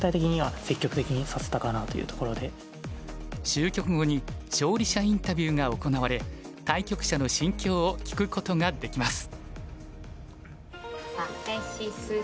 終局後に勝利者インタビューが行われ対局者の心境を聞くことができます。